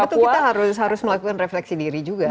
ya betul kita harus melakukan refleksi diri juga